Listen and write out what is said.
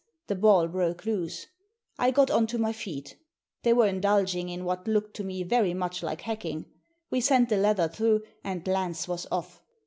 The ball broke loose. I got on to my feet They were indulging in what looked to me very much like hacking. We sent the leather through, and Lance was off!